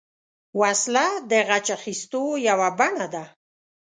وسله د غچ اخیستو یوه بڼه ده